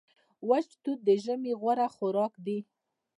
وچ توت د ژمي غوره خوراک دی.